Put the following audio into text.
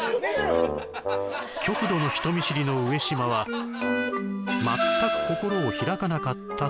極度の人見知りの上島は全く心を開かなかったという